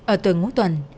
ở tuổi ngũ tuần